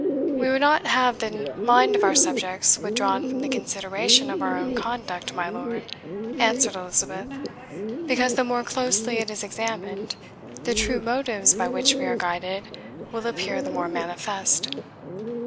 "We would not have the mind of our subjects withdrawn from the consideration of our own conduct, my lord," answered Elizabeth; "because the more closely it is examined, the true motives by which we are guided will appear the more manifest."